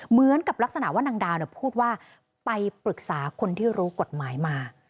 เหมือนกับลักษณะว่านางดาวพูดว่าไปปรึกษาคนที่รู้กฎหมายมา